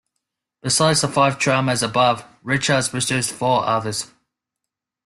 Besides the five dramas above, Richards produced four others.